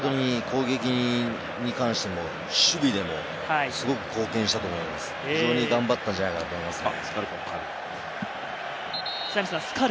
攻撃に関しても守備でもすごく貢献したと思います。